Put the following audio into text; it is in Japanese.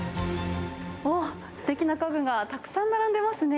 すてきな家具がたくさん並んでますね。